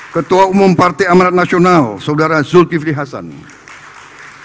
ketua umum partai amarat nasional saudara zulkifli hartono